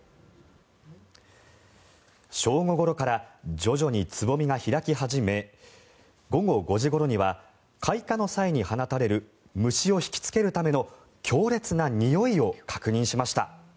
正午ごろから徐々につぼみが開き始め午後５時ごろには開花の際に放たれる虫を引きつけるための強烈なにおいを確認しました。